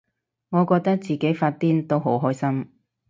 我覺得自己發癲都好開心